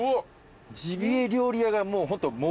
ジビエ料理屋がもうホント森だぜ。